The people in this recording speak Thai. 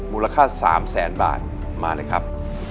มูลค่า๓๐๐๐๐๐บาทมาเลยครับ